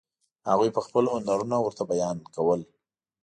هغوی به خپل هنرونه ورته بیان کول.